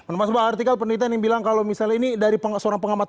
mas bambang artikel penelitian yang bilang kalau misalnya ini dari seorang pengamat